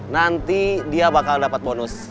nanti dia bakal dapat bonus